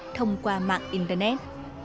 thông qua mạng internet